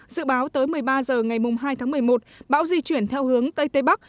dự báo tới một mươi ba h ngày hai tháng một mươi một bão di chuyển theo hướng tây tây bắc